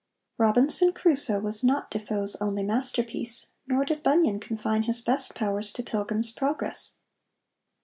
Robinson Crusoe was not Defoe's only masterpiece, nor did Bunyan confine his best powers to Pilgrim's Progress.